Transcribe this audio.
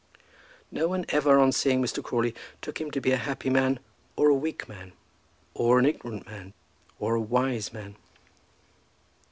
No one ever on seeing Mr. Crawley took him to be a happy man, or a weak man, or an ignorant man, or a wise man.